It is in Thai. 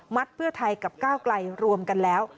เพื่อไทยกับก้าวไกลรวมกันแล้ว